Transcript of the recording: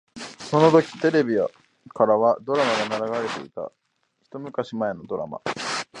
そのときテレビからはドラマが流れていた。一昔前のドラマ。